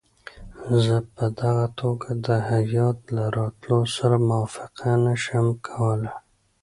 زه په دغه توګه د هیات له راتلو سره موافقه نه شم کولای.